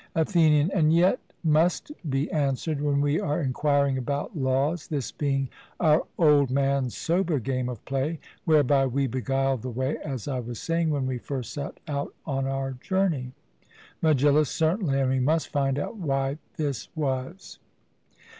ATHENIAN: And yet must be answered when we are enquiring about laws, this being our old man's sober game of play, whereby we beguile the way, as I was saying when we first set out on our journey. MEGILLUS: Certainly; and we must find out why this was.